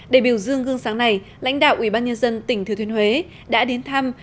để biểu dương gương sáng này lãnh đạo ủy ban nhân dân tỉnh thừa thuyền huế đã đến thăm